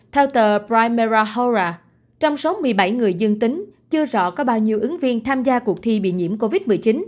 theo tờ primera hora trong số một mươi bảy người dương tính chưa rõ có bao nhiêu ứng viên tham gia cuộc thi bị nhiễm covid một mươi chín